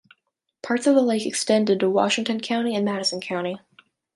Parts of the lake extend into Washington County and Madison County.